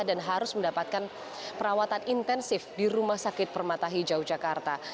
dan harus mendapatkan perawatan intensif di rumah sakit permata hijau jakarta